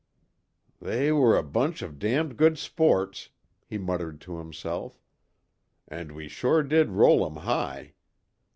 "They were a bunch of damned good sports," he muttered to himself, "And we sure did roll 'em high!